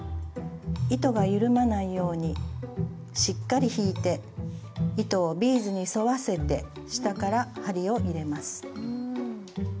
糸が緩まないようにしっかり引いて糸をビーズに沿わせて下から針を入れます。